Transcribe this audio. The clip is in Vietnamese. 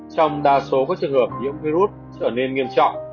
trong đa số các trường hợp nhiễm virus trở nên nghiêm trọng